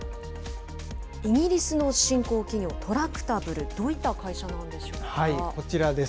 イギリスの新興企業、トラクタブル、こちらです。